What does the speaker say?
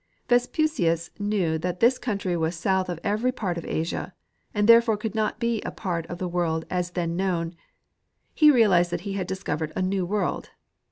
Vespucius knew that this country was south of every part of Asia, and therefore could not be a part of the world as then known ; he realized that he had discovered a " new world."